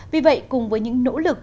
vì vậy cùng với những nỗ lực